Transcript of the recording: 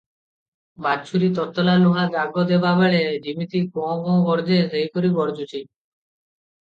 ବାଛୁରୀ ତତଲା ଲୁହା ଦାଗ ଦେବାବେଳେ ଯିମିତି ଗଁ, ଗଁ ଗର୍ଜେ, ସେହିପରି ଗର୍ଜୁଛି ।